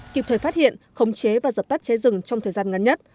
kịp thời phát hiện khống chế và dập tắt cháy rừng trong thời gian ngắn nhất